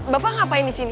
bapak ngapain disini